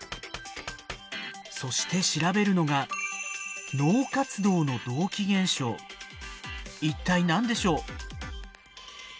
そして調べるのが一体何でしょう？